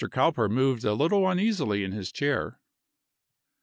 Cowper moved a little uneasily in his chair.